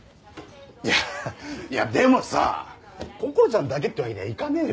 いやいやでもさこころちゃんだけってわけにはいかねえべ？